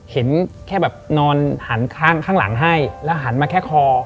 เห็นแค่แบบนอนหันข้างหลังให้แล้วหันมาแค่คอ